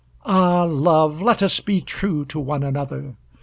Ah, love, let us be true To one another!